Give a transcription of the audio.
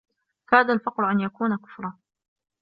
كَادَ الْفَقْرُ أَنْ يَكُونَ كُفْرًا